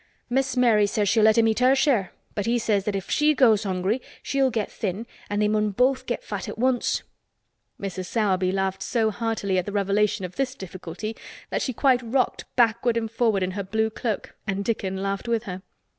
Miss Mary says she'll let him eat her share, but he says that if she goes hungry she'll get thin an' they mun both get fat at once." Mrs. Sowerby laughed so heartily at the revelation of this difficulty that she quite rocked backward and forward in her blue cloak, and Dickon laughed with her.